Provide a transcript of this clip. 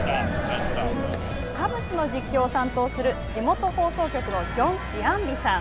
カブスの実況を担当する地元放送局のジョン・シアンビさん。